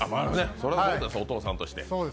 それはそうです、お父さんとして。